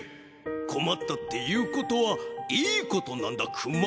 「こまった」っていうことはいいことなんだクマ。